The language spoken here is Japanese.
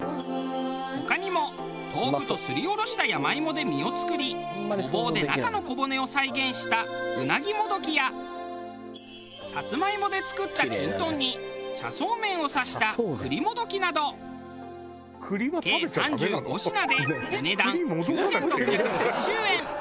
他にも豆腐とすり下ろした山芋で身を作りごぼうで中の小骨を再現したうなぎもどきやさつまいもで作ったきんとんに茶そうめんを挿した栗もどきなど計３５品でお値段９６８０円。